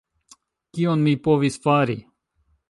Kion mi povis fari?